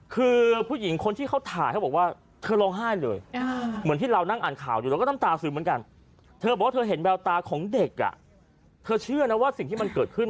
คุณผู้ชมฟังแล้วน้ำตามันจะไหลจริงนะคือ